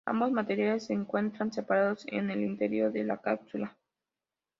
Ambos materiales se encuentran separados en el interior de la cápsula.